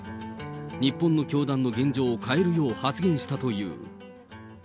日本の教団の現状を変えるよう発言したという。